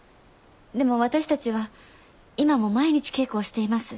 でも私たちは今も毎日稽古をしています。